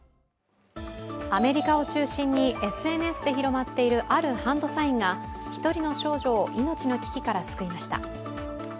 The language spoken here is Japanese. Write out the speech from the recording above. アメリカを中心にＳＮＳで広まっているあるハンドサインが１人の少女を命の危機から救いました。